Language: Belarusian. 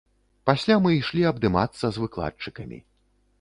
Пасля мы ішлі абдымацца з выкладчыкамі.